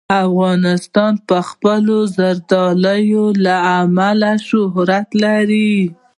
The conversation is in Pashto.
افغانستان د خپلو زردالو له امله شهرت لري.